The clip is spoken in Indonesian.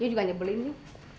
iu juga nyebelin iu